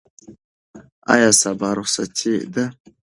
آیا سبا رخصتي ده؟